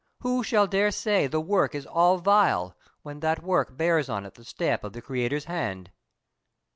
Who shall dare say the work is all vile, when that work bears on it the stamp of the Creator's hand?"